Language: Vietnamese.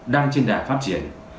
đang trên đài phát triển